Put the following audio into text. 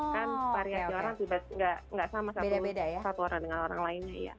kan variasi orang tidak sama satu orang dengan orang lainnya